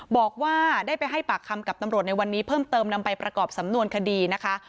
บอกว่าได้ไปให้ปากคำกับตำรวจในวันนี้เพิ่มเติมนำไปประกอบสำนวนคดีนะคะ